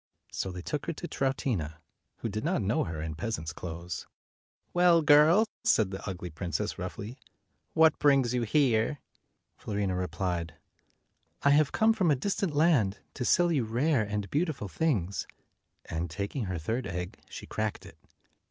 So they took her to Troutina, who did not know her in her peasant's clothes. 225 "Well, girl," said the ugly princess, roughly, "what brings you here?" Fiorina replied, "I have come from a distant land to sell you rare and beautiful things"; and, taking her third egg, she cracked it.